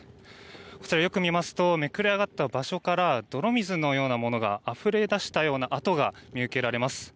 こちらよく見ますとめくれ上がった場所から泥水のようなものがあふれ出したような跡が見受けられます。